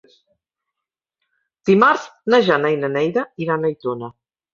Dimarts na Jana i na Neida iran a Aitona.